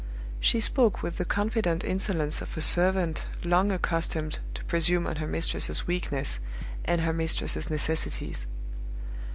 She spoke with the confident insolence of a servant long accustomed to presume on her mistress's weakness and her mistress's necessities.